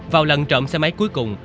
vào lần trộm xe máy cuối cùng